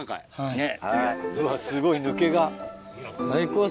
ねっ。